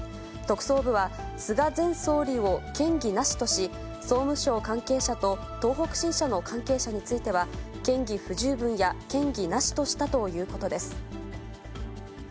特捜部は、菅前総理を嫌疑なしとし、総務省関係者と東北新社の関係者については、嫌疑不十分や嫌疑なしとしたということです。